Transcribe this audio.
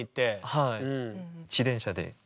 はい。